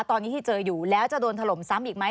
ตอนนี้ที่เจออยู่แล้วจะโดนถล่มซ้ำอีกไหม